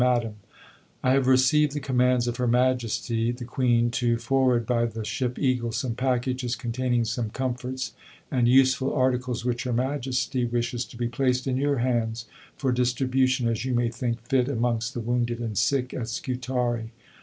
MADAM I have received the commands of Her Majesty the Queen to forward by the ship Eagle some packages containing some comforts and useful articles which Her Majesty wishes to be placed in your hands for distribution, as you may think fit, amongst the wounded and sick at Scutari.